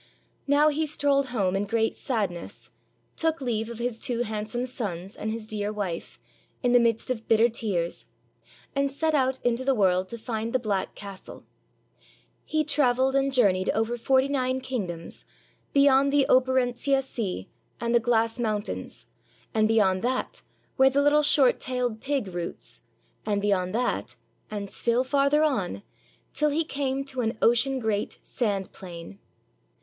Now he strolled home in great sadness, took leave of his two handsome sons and his dear wife, in the midst of bitter tears, and set out into the world to find the black castle. He traveled and journeyed over forty nine king doms, beyond the Operentsia Sea and the glass moun tains, and beyond that, where the little short tailed pig roots, and beyond that, and still farther on, till he came to an ocean great sand plain.